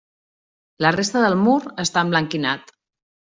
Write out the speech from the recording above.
La resta del mur està emblanquinat.